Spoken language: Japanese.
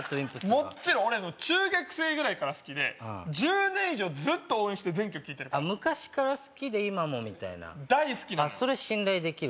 もっちろん俺中学生ぐらいから好きで１０年以上ずっと応援して全曲聴いてるからあ昔から好きで今もみたいな大好きなのそうでしょ？